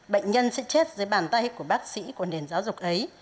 bệnh nhân sẽ chết dưới bàn tay của bác sĩ của nền giáo dục ấy